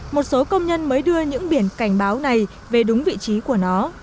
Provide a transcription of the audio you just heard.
một số công nhân mới đưa những biển cảnh báo này về đúng vị trí của nó